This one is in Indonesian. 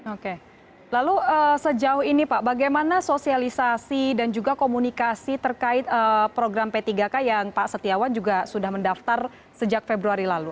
oke lalu sejauh ini pak bagaimana sosialisasi dan juga komunikasi terkait program p tiga k yang pak setiawan juga sudah mendaftar sejak februari lalu